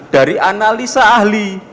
dari analisa ahli